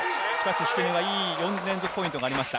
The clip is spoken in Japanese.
敷根いい、４連続ポイントがありました。